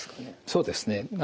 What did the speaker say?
そうですね。